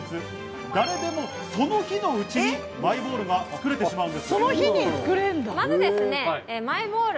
誰でも、その日のうちにマイボールが作れてしまうんです。